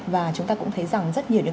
và chúng ta cũng thấy rằng rất nhiều